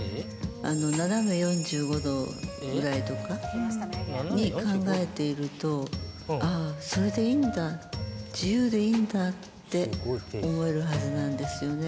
斜め４５度ぐらいとかに考えていると、ああ、それでいいんだ、自由でいいんだって思えるはずなんですよね。